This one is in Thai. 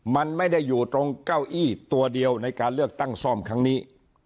มันไม่ได้อยู่ตรงเก้าอี้ตัวเดียวในการเลือกตั้งซ่อมครั้งนี้